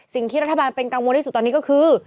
สิ่งที่รัฐบาลเป็นกังวลที่สุดตอนนี้ก็คือ